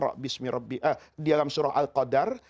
di dalam surah al qadar